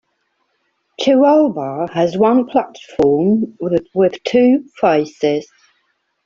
Teralba has one platform with two faces.